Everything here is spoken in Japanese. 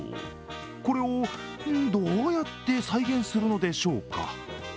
これを、どうやって再現するのでしょうか？